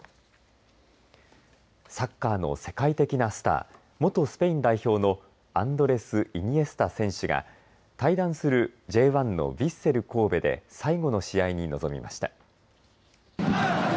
サッカーの世界的なスター元スペイン代表のアンドレス・イニエスタ選手が退団するＪ１のヴィッセル神戸で最後の試合に臨みました。